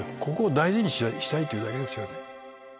大事にしたいというだけですよ。